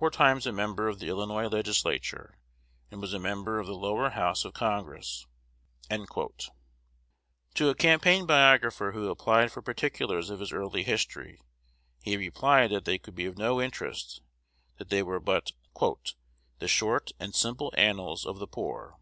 Four times a member of the Illinois Legislature, and was a member of the Lower House of Congress." To a campaign biographer who applied for particulars of his early history, he replied that they could be of no interest; that they were but "The short and simple annals of the poor."